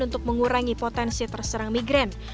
untuk mengurangi potensi terserang migran